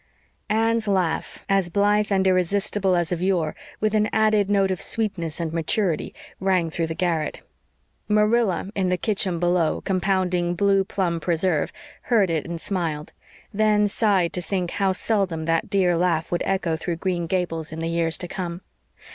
Anne's laugh, as blithe and irresistible as of yore, with an added note of sweetness and maturity, rang through the garret. Marilla in the kitchen below, compounding blue plum preserve, heard it and smiled; then sighed to think how seldom that dear laugh would echo through Green Gables in the years to come.